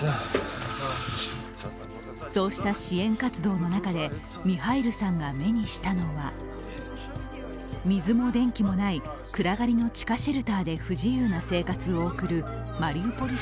そうした支援活動の中でミハイルさんが目にしたのは水も電気もない暗がりの地下シェルターで不自由な生活を送るマリウポリ